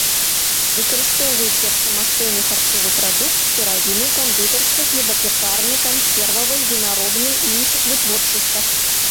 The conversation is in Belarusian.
Выкарыстоўваюць як самастойны харчовы прадукт, сыравіну ў кандытарскай, хлебапякарнай, кансервавай, вінаробнай і іншых вытворчасцях.